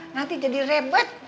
nanti jadi rebet